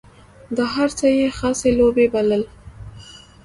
دا هر څه یې خاصې لوبې بلل.